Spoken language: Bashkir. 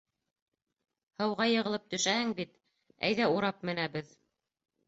— Һыуға йығылып төшәһең бит, әйҙә урап менәбеҙ!